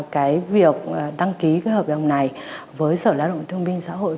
cái việc đăng ký cái hợp đồng này với sở lao động thương minh xã hội